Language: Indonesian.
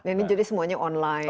ini jadi semuanya online